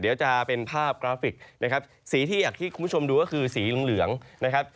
เดี๋ยวจะเป็นภาพกราฟิกนะครับสีที่อย่างที่คุณผู้ชมดูก็คือสีเหลืองนะครับ